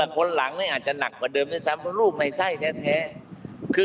คนหลังนี่อาจจะหนักกว่าเดิมด้วยซ้ำเพราะลูกในไส้แท้